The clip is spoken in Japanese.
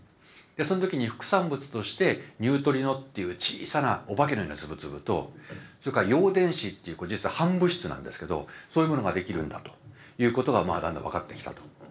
その時に副産物としてニュートリノっていう小さなお化けのような粒々とそれから陽電子ってこれ実は反物質なんですけどそういうものができるんだということがだんだん分かってきたと。